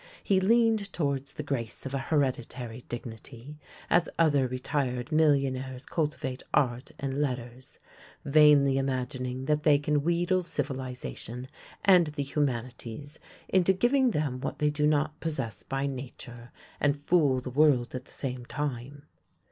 He leaned towards the grace of an hereditary dignity, as other retired millionaires cul tivate art and letters, vainly imagining that they can wheedle civilisation and the humanities into giving' them what they do not possess by nature, and fool the world at the same time.